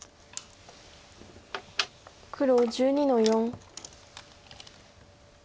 黒１２の四。